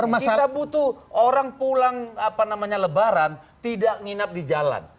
kita butuh orang pulang apa namanya lebaran tidak nginap di jalan